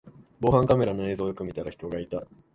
防犯カメラの映像をよく見たら人がいた